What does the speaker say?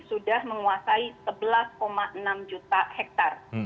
sudah menguasai sebelas enam juta hektare